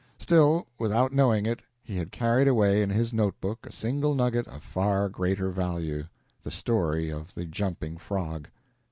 Still, without knowing it, he had carried away in his note book a single nugget of far greater value the story of "The Jumping Frog."